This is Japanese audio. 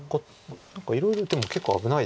何かいろいろでも結構危ないです。